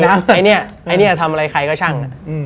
อันนี้ทำอะไรใครก็ช่าง